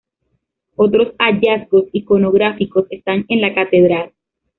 Otros hallazgos iconográficos están en la catedral.